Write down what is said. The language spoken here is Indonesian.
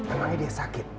emangnya dia sakit